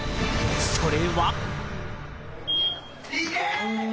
それは。